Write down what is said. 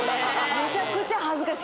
めちゃくちゃ恥ずかしい。